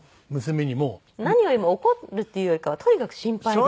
何よりも怒るっていうよりかはとにかく心配で。